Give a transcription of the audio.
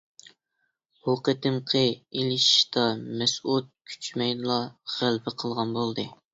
بۇ قېتىمقى ئېلىشىشتا مەسئۇد كۈچىمەيلا غەلىبە قىلغان بولدى.